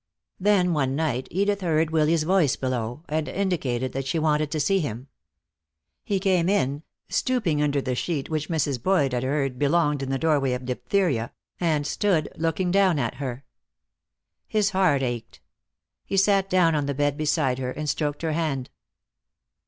Then one night Edith heard Willy's voice below, and indicated that she wanted to see him. He came in, stooping under the sheet which Mrs. Boyd had heard belonged in the doorway of diphtheria, and stood looking down at her. His heart ached. He sat down on the bed beside her and stroked her hand.